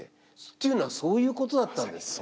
っていうのはそういうことだったんですね？